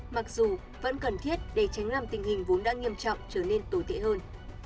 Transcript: mặc dù vẫn cần thiết để tránh làm tình hình vốn đã nghiêm trọng trở nên tồi tệ hơn